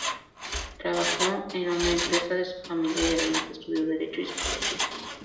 Trabajó en una empresa de su familia, y además estudió derecho y psicología.